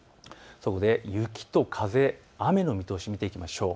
雪と風、雨の見通しを見ていきましょう。